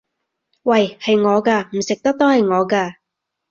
喂！係我㗎！唔食得都係我㗎！